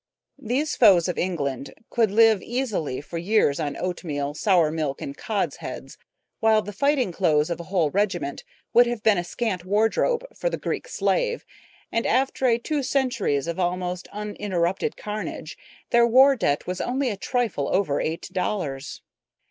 These foes of England could live easily for years on oatmeal, sour milk, and cod's heads, while the fighting clothes of a whole regiment would have been a scant wardrobe for the Greek Slave, and after two centuries of almost uninterrupted carnage their war debt was only a trifle over eight dollars.